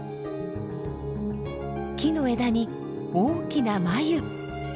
木の枝に大きなマユ。